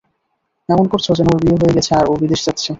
এমন করছো যেন ওর বিয়ে হয়ে গেছে আর ও বিদেশে যাচ্ছে।